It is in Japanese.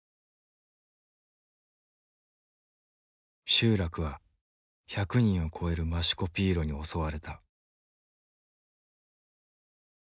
集落は１００人を超えるマシュコピーロに襲われた。